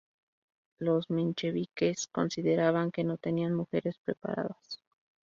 Los mencheviques consideraban que no tenían "mujeres preparadas".